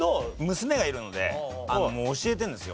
娘がいるので教えてるんですよ。